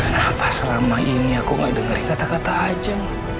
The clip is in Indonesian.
kenapa selama ini aku gak dengerin kata kata aja